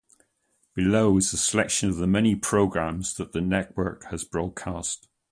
Below is a selection of the many programs that the network has broadcast.